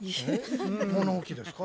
物置ですか？